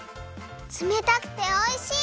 つめたくておいしい！